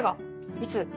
いつ？